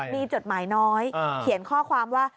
มีจดหมายน้อยเขียนข้อความว่า